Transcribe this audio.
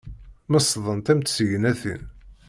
Mesdent am tsegnatin.